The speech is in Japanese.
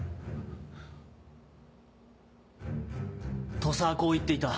土佐はこう言っていた。